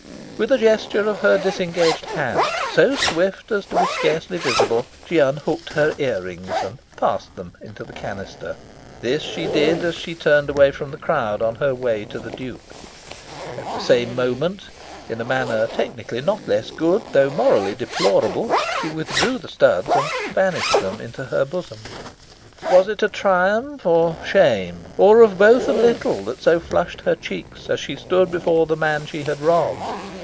With a gesture of her disengaged hand, so swift as to be scarcely visible, she unhooked her ear rings and "passed" them into the canister. This she did as she turned away from the crowd, on her way to the Duke. At the same moment, in a manner technically not less good, though morally deplorable, she withdrew the studs and "vanished" them into her bosom. Was it triumph, or shame, or of both a little that so flushed her cheeks as she stood before the man she had robbed?